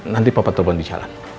nanti papa telepon di jalan